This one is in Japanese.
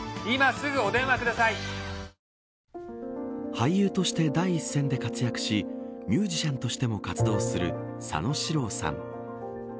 俳優として第一線で活躍しミュージシャンとしても活動する佐野史郎さん。